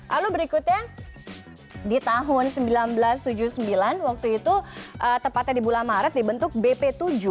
lalu berikutnya di tahun seribu sembilan ratus tujuh puluh sembilan waktu itu tepatnya di bulan maret dibentuk bp tujuh